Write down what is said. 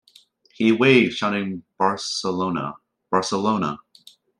He waved, shouting Barcelona, Barcelona!